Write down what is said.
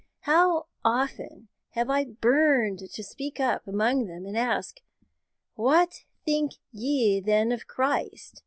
How often have I burned to speak up among them, and ask 'What think ye, then, of Christ?